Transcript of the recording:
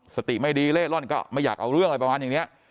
สติไม่ดีเล่ร่อนก็ไม่อยากเอาเรื่องอะไรประมาณอย่างนี้